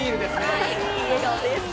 いい笑顔です。